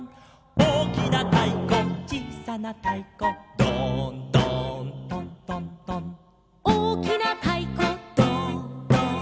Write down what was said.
「おおきなたいこちいさなたいこ」「ドーンドーントントントン」「おおきなたいこドーンドーン」